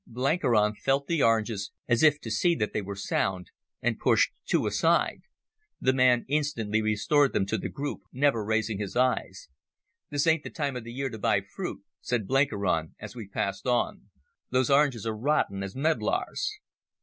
Blenkiron felt the oranges, as if to see that they were sound, and pushed two aside. The man instantly restored them to the group, never raising his eyes. "This ain't the time of year to buy fruit," said Blenkiron as we passed on. "Those oranges are rotten as medlars."